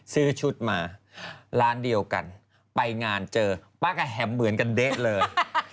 ซื้อชุดมาร้านเดียวกันไปงานเจอป้าก็แหมเหมือนกันเด๊ะเลย